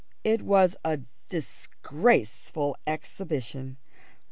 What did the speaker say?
It was a disgraceful exhibition.